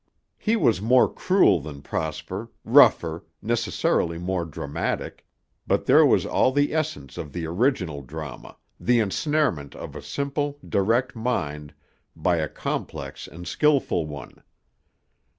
He was more cruel than Prosper, rougher, necessarily more dramatic, but there was all the essence of the original drama, the ensnarement of a simple, direct mind by a complex and skillful one.